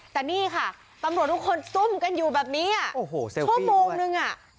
แต่นี่ค่ะตำรวจทุกคนซุ่มกันอยู่แบบนี้อ่ะโอ้โหชั่วโมงนึงอ่ะ